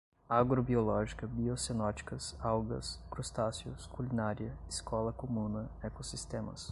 agro-biológica, biocenóticas, algas, crustáceos, culinária, escola-comuna, ecossistemas